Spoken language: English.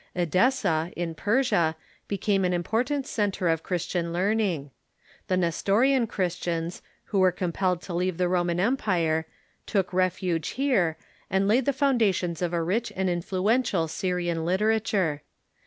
Edessa, in Persia, became an important centre of Chris tian learning. The Nestorian Christians, who were compelled to leave the Roman Empire, took refuge here, and laid the foundations of a rich and influential Syrian literature.